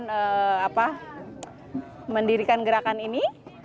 jadi saya bersama kawan kawan mendirikan gerakan ini